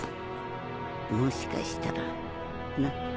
もしかしたらな。